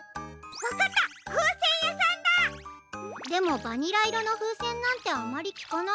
でもバニラいろのふうせんなんてあまりきかないよ？